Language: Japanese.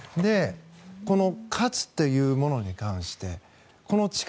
この「勝」というものに関してこの「力」